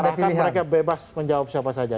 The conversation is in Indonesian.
tanpa diarahkan mereka bebas menjawab siapa saja